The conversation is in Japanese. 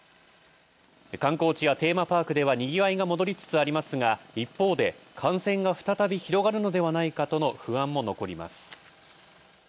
観光地やテーマパークではにぎわいが戻りつつありますが、一方で、感染が再び広がるのではないかとの不安も残ります。